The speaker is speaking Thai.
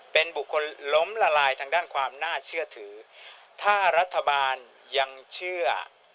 เป็นบุคคลล้มละลายทางด้านความน่าเชื่อถือถ้ารัฐบาลยังเชื่อ